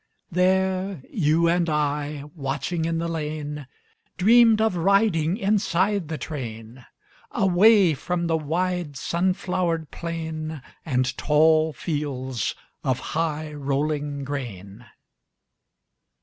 There you and I, Watching in the lane. Dreamed of riding Inside the train — Away from the wide Sun flowered plain And tall fields of High rolling grain.